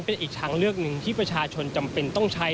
เป็นอีกทางเลือกหนึ่งที่ประชาชนจำเป็นต้องใช้